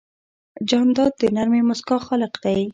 جانداد د نرمې موسکا خالق دی.